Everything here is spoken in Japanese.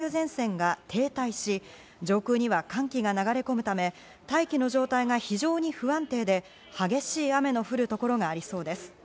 また西日本と東日本は明日にかけて活発な梅雨前線が停滞し、上空には寒気が流れ込むため大気の状態が非常に不安定で激しい雨の降る所がありそうです。